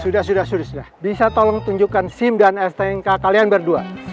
sudah sudah sudah bisa tolong tunjukkan sim dan stnk kalian berdua